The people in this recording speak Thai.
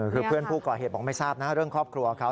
คือเพื่อนผู้ก่อเหตุบอกไม่ทราบนะเรื่องครอบครัวเขา